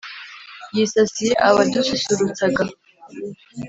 Yisasiye abadususurutsaga